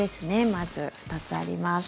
まず２つあります。